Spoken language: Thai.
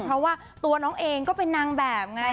เพราะว่าตัวน้องเองก็เป็นนางแบบไง